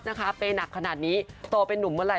นะคะเพนักขนาดนี้โตเป็นหนุ่มเมื่อไหร่